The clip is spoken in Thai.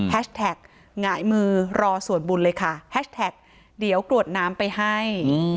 แท็กหงายมือรอสวดบุญเลยค่ะแฮชแท็กเดี๋ยวกรวดน้ำไปให้